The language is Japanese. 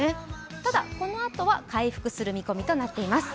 ただこのあとは回復する見込みとなっています。